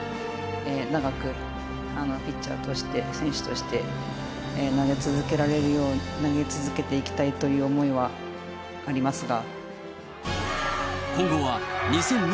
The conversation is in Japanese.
長くピッチャーとして、選手として投げ続けていきたいという思いがありますが。